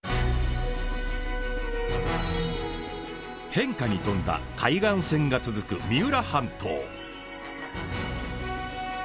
変化に富んだ海岸線が続く三浦半島。